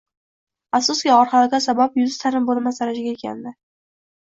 Afsuski, og`ir halokat sabab yuzi tanib bo`lmas darajaga etgandi